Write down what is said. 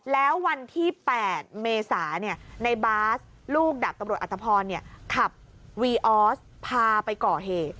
แล้ววันที่แปดเมษาเนี่ยในบาสลูกดับตำรวจอัตตาพรเนี่ยขับวีออสพาไปก่อเห